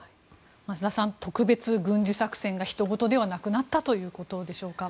増田さん、特別軍事作戦がひとごとではなくなったということでしょうか。